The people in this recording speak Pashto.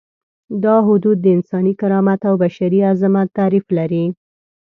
دا حدود د انساني کرامت او بشري عظمت تعریف لري.